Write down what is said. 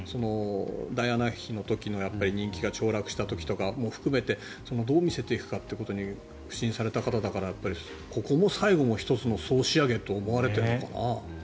ダイアナ妃の時の人気がちょう落した時とかも含めてどう見せていくかってことに腐心された方だからここも最後の１つの総仕上げと思われているのかな。